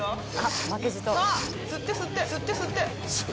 吸って吸って吸って吸って。